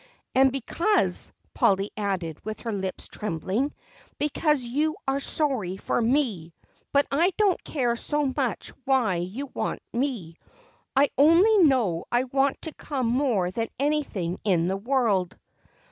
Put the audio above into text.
"And because," Polly added with her lips trembling, "because you are sorry for me. But I don't care so much why you want me, I only know I want to come more than anything in the world."